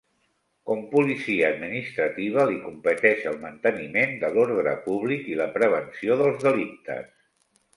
Com policia administrativa li competeix el manteniment de l'ordre públic i la prevenció dels delictes.